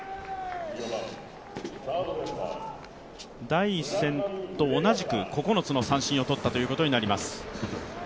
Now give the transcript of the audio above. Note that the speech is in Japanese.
第１戦と同じく、９つの三振を取ったことになります。